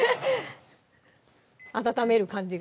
温める感じが？